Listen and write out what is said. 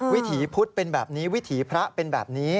วิถีพุทธเป็นแบบนี้วิถีพระเป็นแบบนี้